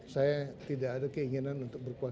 saya sudah berpunca saya sudah berpunca